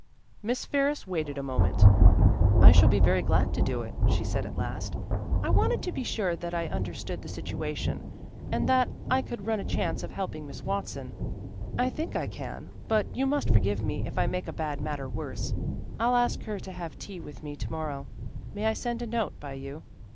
Miss Ferris waited a moment. "I shall be very glad to do it," she said at last. "I wanted to be sure that I understood the situation and that I could run a chance of helping Miss Watson. I think I can, but you must forgive me if I make a bad matter worse. I'll ask her to have tea with me to morrow. May I send a note by you?"